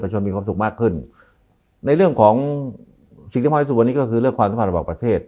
ประชุมมีความสุขมากขึ้นในเรื่องของสิ่งที่ทำให้สุดวันนี้ก็คือเรื่องความสำหรับประเทศ